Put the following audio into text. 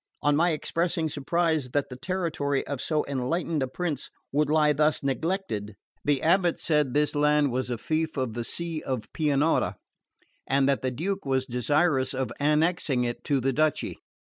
On my expressing surprise that the territory of so enlightened a prince would lie thus neglected, the abate said this land was a fief of the see of Pianura, and that the Duke was desirous of annexing it to the duchy.